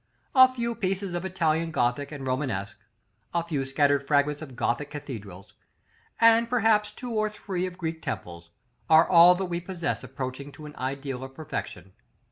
A few pieces of Italian Gothic and Romanesque, a few scattered fragments of Gothic cathedrals, and perhaps two or three of Greek temples, are all that we possess approaching to an ideal of perfection.